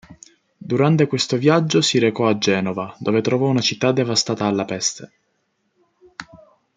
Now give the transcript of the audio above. Durante questo viaggio si recò a Genova, dove trovò una città devastata dalla peste.